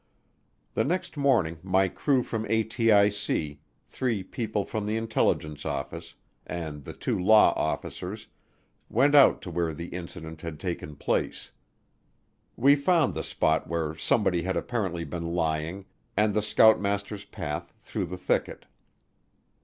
The next morning my crew from ATIC, three people from the intelligence office, and the two law officers went out to where the incident had taken place. We found the spot where somebody had apparently been lying and the scoutmaster's path through the thicket.